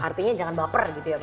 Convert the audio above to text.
artinya jangan baper gitu ya pak